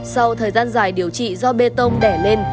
sau thời gian dài điều trị do bê tông đẻ lên